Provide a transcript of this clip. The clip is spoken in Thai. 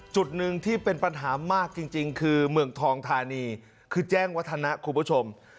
จุดหนึ่งที่เป็นปัญหามากจริงคือเมืองทองธานีคือแจ้งวัฒนะคุณผู้ชม